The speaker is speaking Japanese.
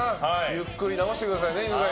ゆっくり治してくださいね。